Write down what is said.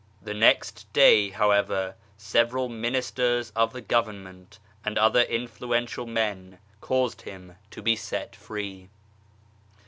The next day, however, several ministers of the Government and other influential men caused him to be set free.